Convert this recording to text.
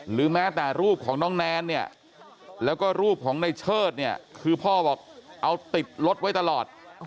หรือแม้แต่รูปของน้องแนนเนี่ยแล้วก็รูปของในเชิดเนี่ยคือพ่อบอกเอาติดรถไว้ตลอด